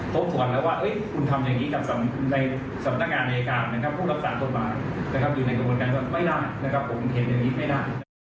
อยู่ในกระบวนการไม่ดันนะครับผมเห็นอย่างนี้ไม่ดัน